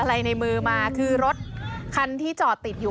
อะไรในมือมาคือรถคันที่จอดติดอยู่